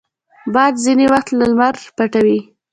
باد ځینې وخت لمر پټوي